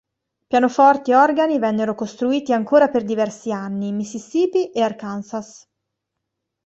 Pianoforti e organi vennero costruiti ancora per diversi anni in Mississippi e Arkansas.